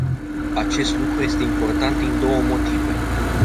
Acest lucru este important din două motive.